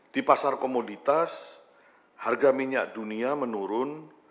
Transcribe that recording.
di pasar komoditas harga minyak dunia menurun